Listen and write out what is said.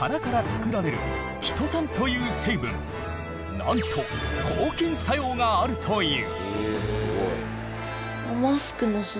なんと抗菌作用があるという。